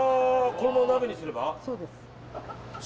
このまま鍋にすれば？